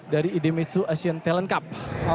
dari idemetso asian talent cup